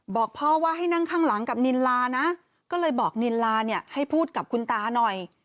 บอกพ่อว่าให้นั่งข้างหลังกับนินลานะก็เลยบอกนินลาเนี่ยให้พูดกับคุณตาหน่อย